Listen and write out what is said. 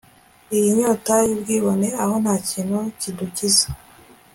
iyi nyota yubwibone, aho ntakintu kidukiza